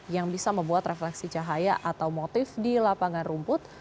yang bisa membuat refleksi cahaya atau motif di lapangan rumput